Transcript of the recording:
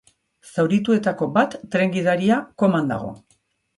Zaurituetako bat, tren gidaria, koman dago.